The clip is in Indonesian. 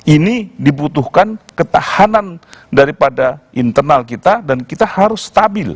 ini dibutuhkan ketahanan daripada internal kita dan kita harus stabil